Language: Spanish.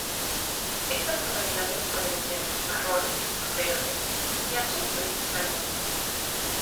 Estas tonalidades pueden ser marrón, verde y azul, principalmente.